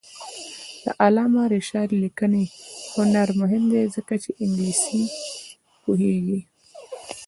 د علامه رشاد لیکنی هنر مهم دی ځکه چې انګلیسي پوهېږي.